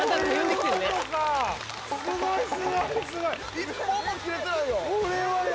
・１本も切れてないよ！